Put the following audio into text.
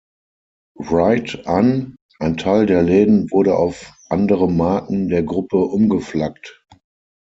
Wright an, ein Teil der Läden wurde auf andere Marken der Gruppe umgeflaggt.